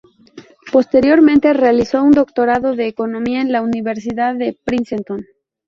Posteriormente realizó un Doctorado de Economía en la Universidad de Princeton.